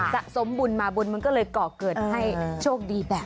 สะสมบุญมาบุญมันก็เลยก่อเกิดให้โชคดีแบบนี้